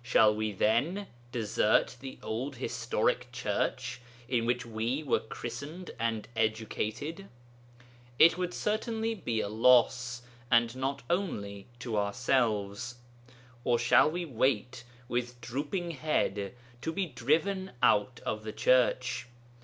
Shall we, then, desert the old historic Church in which we were christened and educated? It would certainly be a loss, and not only to ourselves. Or shall we wait with drooping head to be driven out of the Church?